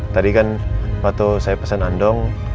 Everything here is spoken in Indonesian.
tadi kan waktu saya pesen andung